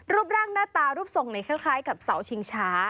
รูปร่างหน้าตารูปทรงคล้ายกับเสาชิงช้า